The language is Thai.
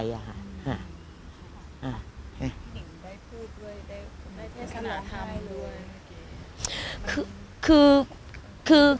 ที่หญิงได้พูดด้วยได้เทศนาธรรมด้วย